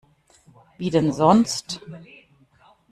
Wie denn sonst?